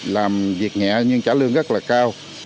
làm việc nhẹ nhưng trả lương rất là cao